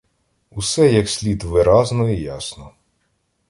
Усе, як слід, виразно і ясно.